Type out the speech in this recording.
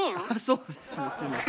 そうですねすみません。